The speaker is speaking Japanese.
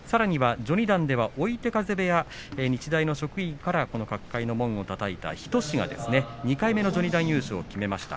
さらには序二段では追手風部屋日大の職員から角界の門をたたいた日翔志が２回目の序二段優勝を決めました。